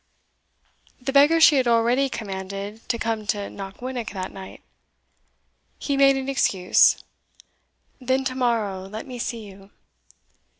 The beggar she had already commanded to come to Knockwinnock that night. He made an excuse. "Then to morrow let me see you."